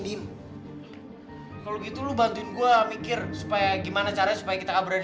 tim kalau gitu lu bantuin gua mikir supaya gimana caranya supaya kita berada